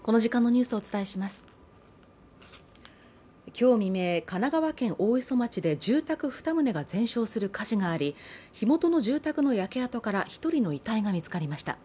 今日未明、神奈川県大磯町で住宅２棟が全焼する火事があり火元の住宅の焼け跡から１人の遺体が見つかりました。